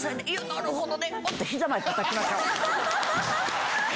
なるほど！